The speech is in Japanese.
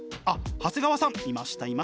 長谷川さんいましたいました。